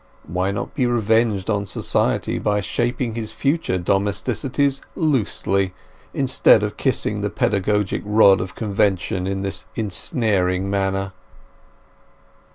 Why not be revenged on society by shaping his future domesticities loosely, instead of kissing the pedagogic rod of convention in this ensnaring manner?